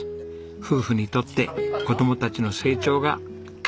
夫婦にとって子供たちの成長が活力源なんです。